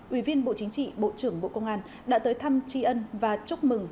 ủy viên bộ chính trị bộ trưởng bộ công an đã tới thăm tri ân và chúc mừng